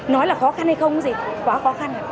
nói là khó khăn hay không gì quá khó khăn